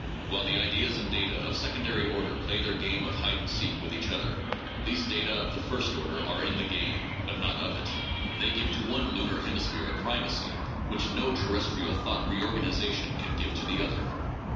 "While ideas and data of a secondary order play their game of hide and seek with each other, these data of the first order are in the game, but not of it. They give to one lunar hemisphere a primacy which no terrestrial thought reorganization can give to the other.